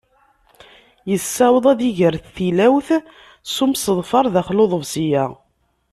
Yessaweḍ ad iger tilawt s umseḍfer daxel n uḍebsi-a.